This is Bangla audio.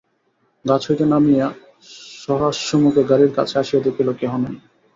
গাছ হইতে নামিয়া সহাস্যমুখে গাড়ির কাছে আসিয়া দেখিল, কেহ নাই।